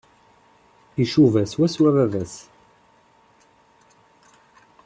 Icuba swaswa baba-s.